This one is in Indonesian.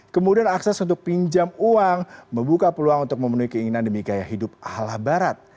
kemudian akses untuk pinjam uang membuka peluang untuk memenuhi keinginan demi gaya hidup ala barat